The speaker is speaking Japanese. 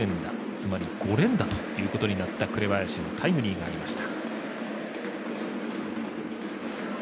つまり５連打ということになった紅林のタイムリーがありました。